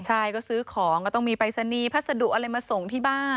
ใช่ก็ซื้อของก็ต้องมีปรายศนีย์พัสดุอะไรมาส่งที่บ้าน